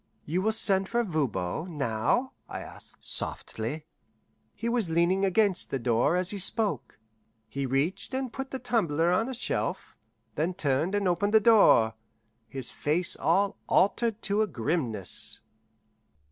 "You will send for Voban now?" I asked softly. He was leaning against the door as he spoke. He reached and put the tumbler on a shelf, then turned and opened the door, his face all altered to a grimness.